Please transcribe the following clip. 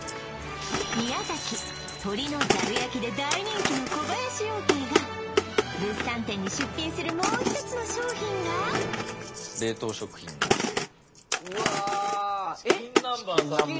宮崎鶏のざる焼で大人気の小林養鶏が物産展に出品するもう一つの商品がうわチキン南蛮？